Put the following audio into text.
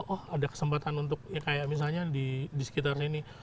oh ada kesempatan untuk ya kayak misalnya di sekitar sini